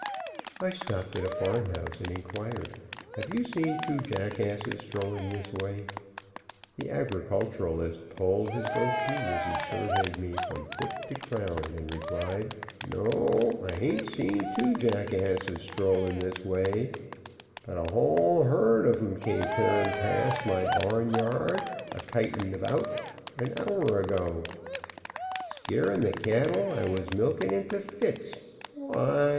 I stopped at a farm house and inquired: "Have you seen two jackasses strolling this way?" The agriculturist pulled his goatee as he surveyed me from foot to crown, and replied: "No, I hain't seen TWO jackasses STROLLIN' this way, but a WHOLE HERD of 'em came tearing past my barnyard a kitin' about an hour ago, skeerin' the cattle I was a milkin' into fits. Why!